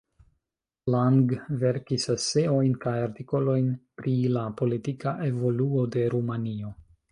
Lang verkis eseojn kaj artikolojn pri la politika evoluo de Rumanio.